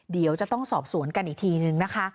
เดี๋ยวจะต้องสอบสวนกันอีกทีนึงนะคะ